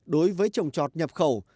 đối với trồng trọt nhập khẩu